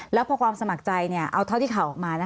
แล้วพอความสมัครใจเอาเท่าที่ข่าวออกมา